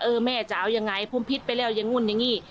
เออแม่จะเอายังไงพรุ่มพิษไปแล้วยังงุ่นอย่างงี้